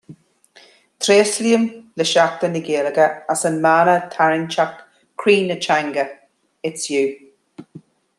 Tréaslaím le Seachtain na Gaeilge as a mana tarraingteach "Croí na Teanga: It's you".